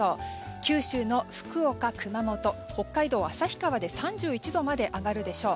九州の福岡、熊本北海道旭川で３１度まで上がるでしょう。